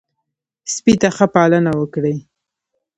سپي ته ښه پالنه وکړئ.